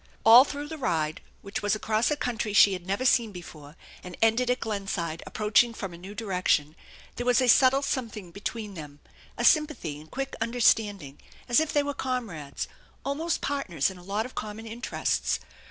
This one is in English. All through the ride, which was across a country she had never seen before, and ended at Glenside approaching from a new direction, there was a subtle something between them, a sympathy and quick understanding as if they were comrades, almost partners in a lot of common interests.